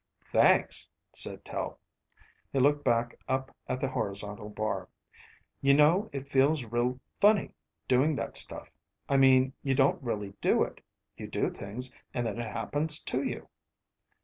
"Thanks," said Tel. He looked back up at the horizontal bar. "You know, it feels real funny, doing that stuff. I mean you don't really do it. You do things and than it happens to you."